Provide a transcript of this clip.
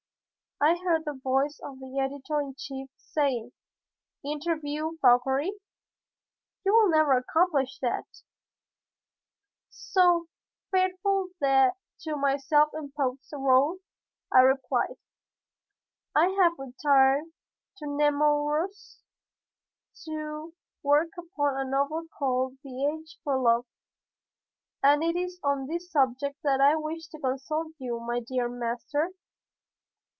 I heard the voice of the editor in chief saying, "Interview Fauchery? You will never accomplish that;" so, faithful to my self imposed rôle, I replied, "I have retired to Nemours to work upon a novel called The Age for Love, and it is on this subject that I wished to consult you, my dear master."